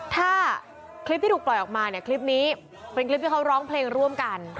ถ้าคลิปที่ถูกปล่อยออกมาเนี่ยคลิปนี้เป็นคลิปที่เขาร้องเพลงร่วมกัน